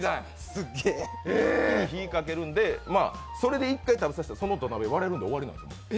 火かけるんで、それで一回食べさせてその土鍋、割れるんで終わりなんですよ。